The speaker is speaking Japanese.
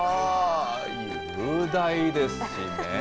雄大ですね。